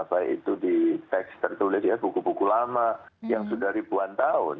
baik itu di teks tertulis ya buku buku lama yang sudah ribuan tahun